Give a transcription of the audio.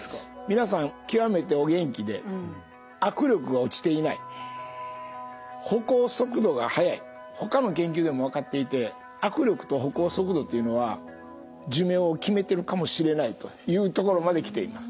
皆さん極めてお元気でほかの研究でも分かっていて握力と歩行速度というのは寿命を決めてるかもしれないというところまできています。